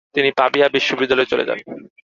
তিনি পাভিয়া বিশ্ববিদ্যালয়ে চলে যান।